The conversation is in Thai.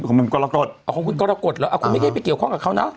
ของผมก็ละกดของคุณก็ละกดหรอคุณไม่ได้ไปเกี่ยวข้องกับเขาเนาะ